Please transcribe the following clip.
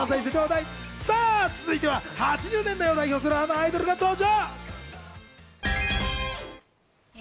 続いては８０年代を代表するあのアイドルが登場。